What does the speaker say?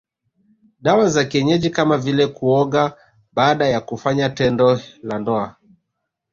Dawa za kienyeji kama vile kuoga baada ya kufanya tendo la ndoa